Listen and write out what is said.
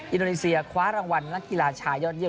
อินโดนีเซียคว้ารางวัลนักกีฬาชายอดเยี่